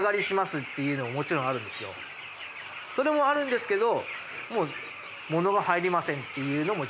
それもあるんですけど。